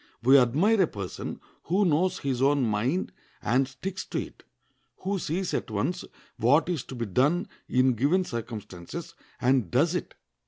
We admire a person who knows his own mind and sticks to it, who sees at once what is to be done in given circumstances, and does it.